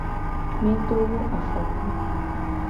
Mi do wo afoku.